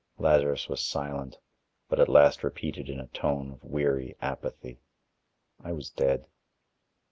Lazarus was silent, but at last repeated in a tone of weary apathy: "I was dead."